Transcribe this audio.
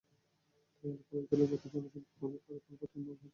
তাই এলাকার লোকজনের পক্ষে জানা সম্ভব হয়নি কারা কালভার্টটি নির্মাণ করেছে।